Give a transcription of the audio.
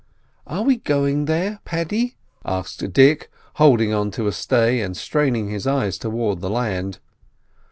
"Are we going there, Paddy?" asked Dick, holding on to a stay, and straining his eyes towards the land.